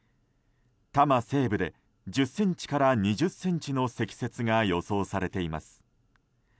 多摩西部で１０ｃｍから２０ｃｍの積雪が予想されています。